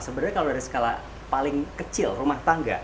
sebenarnya kalau dari skala paling kecil rumah tangga